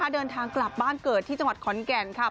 เดินทางกลับบ้านเกิดที่จังหวัดขอนแก่น